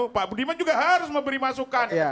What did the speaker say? pak budiman juga harus memberi masukan